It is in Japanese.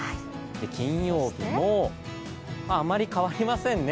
金曜日もあまり変わりませんね